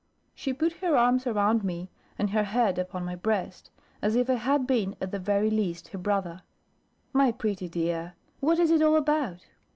She put her arms around me, and her head upon my breast, as if I had been, at the very least, her brother. "My pretty dear, what is it all about?"